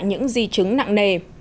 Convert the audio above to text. những di chứng nặng nề